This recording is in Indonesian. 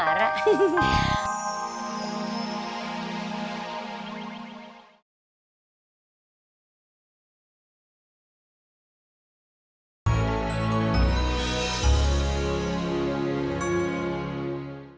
kayak panduan suara